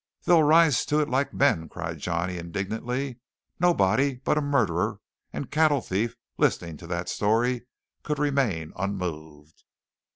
"They'll rise to it like men!" cried Johnny indignantly. "Nobody but a murderer and cattle thief listening to that story could remain unmoved."